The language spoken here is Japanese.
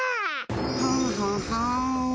はんはんはん。